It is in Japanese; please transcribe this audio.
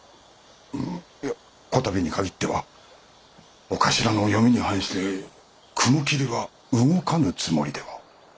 いや此度に限っては長官の読みに反して雲霧は動かぬつもりでは。